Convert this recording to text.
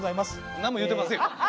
何も言うてませんよ。